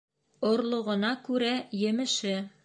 Орлоғона күрә емеше.